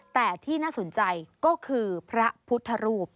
แต่ที่น่าสนใจก็คือพระพุทธรูป